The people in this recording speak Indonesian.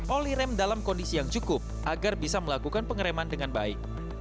oli rem dalam kondisi yang cukup agar bisa melakukan pengereman dengan baik